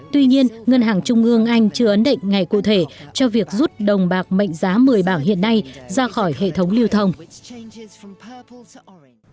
tuy nhiên ngân hàng trung ương anh chưa ấn định ngày cụ thể cho việc rút đồng bạc mệnh giá một mươi bảng hiện nay ra khỏi hệ thống lưu thông